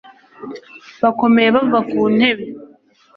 bakomeye bava ku ntebe